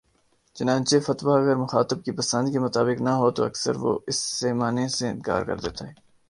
چنانچہ فتویٰ اگر مخاطب کی پسند کے مطابق نہ ہو تو اکثر وہ اسے ماننے سے انکار کر دیتا ہے